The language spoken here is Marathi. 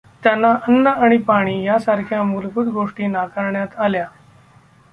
त्यांना अन्न आणि पाणी यासारख्या मूलभूत गोष्टी नाकारण्यात आल्या.